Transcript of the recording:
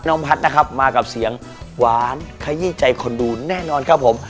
น้องพัฒน์นะครับมากับเสียงหวานขยี้ใจคนดูแน่นอนครับผม